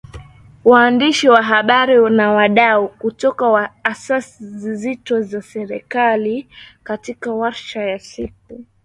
waandishi wa habari na wadau kutoka Asasi Zisizo za Kiserikali katika warsha ya siku